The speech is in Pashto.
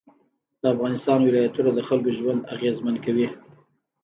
د افغانستان ولایتونه د خلکو ژوند اغېزمن کوي.